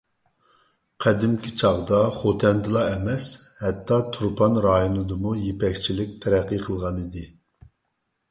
قەدىمكى چاغدا خوتەندىلا ئەمەس، ھەتتا تۇرپان رايونىدىمۇ يىپەكچىلىك تەرەققىي قىلغانىدى.